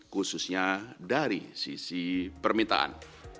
khususnya dari sisi permintaan